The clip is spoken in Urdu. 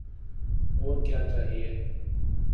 اور کیا چاہیے؟